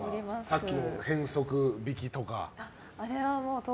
さっきの変則弾きとか。